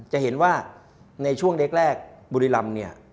จะเห็นว่าในช่วงเล็กบุรีลำ